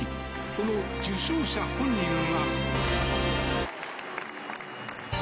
その受賞者本人は。